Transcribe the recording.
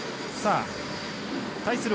対する